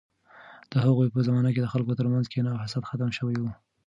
د هغوی په زمانه کې د خلکو ترمنځ کینه او حسد ختم شوی و.